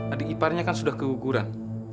adik iparnya kan sudah keguguran